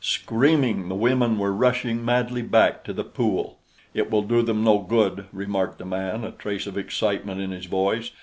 Screaming, the women were rushing madly back to the pool. "It will do them no good," remarked the man, a trace of excitement in his voice.